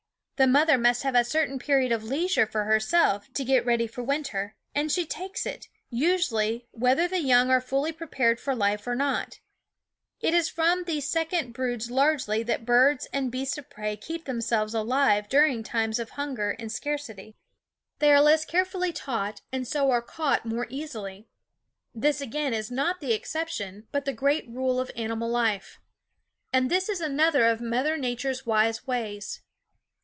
The mother must have a certain period of leisure for herself to get ready for winter, and she takes it, usually, whether the young are fully prepared for life or not It is from these second broods largely that birds and beasts of prey keep themselves alive during times of hunger and scarcity. 333 ffieG/adsome SCHOOL OF 334 They are less carefully taught, and so are caught more easily. This again is not the exception, but the great rule of animal life. And this is another of Mother Nature's wise ways.